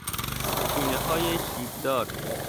چینههای شیبدار